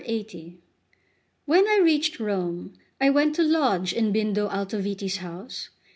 LXXX WHEN I reached Rome, I went to lodge in Bindo Altoviti's house.